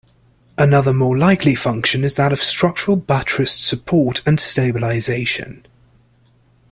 Another more likely function is that of structural buttressed support and stabilization.